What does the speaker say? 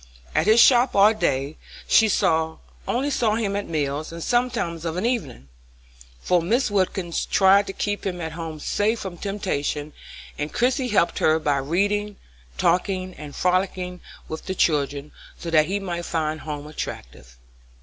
At his shop all day, she only saw him at meals and sometimes of an evening, for Mrs. Wilkins tried to keep him at home safe from temptation, and Christie helped her by reading, talking, and frolicking with the children, so that he might find home attractive.